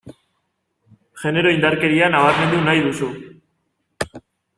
Genero indarkeria nabarmendu nahi duzu.